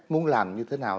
muốn làm như thế nào